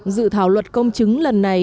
dự thảo luật công chứng lần này